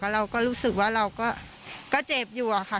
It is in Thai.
เราก็รู้สึกว่าเราก็เจ็บอยู่อะค่ะ